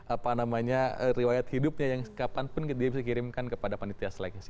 apa namanya riwayat hidupnya yang kapanpun dia bisa kirimkan kepada panitia seleksi